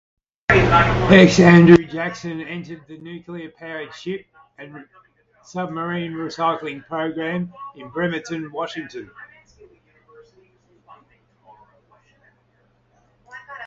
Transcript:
Ex-"Andrew Jackson" entered the Nuclear Powered Ship and Submarine Recycling Program in Bremerton, Washington.